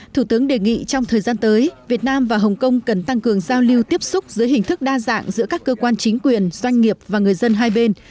thủ tướng đề nghị trong thời gian tới việt nam và hồng kông cần tăng cường giao lưu tiếp xúc giữa hình thức đa dạng giữa các cơ quan chính quyền doanh nghiệp và người dân hai bên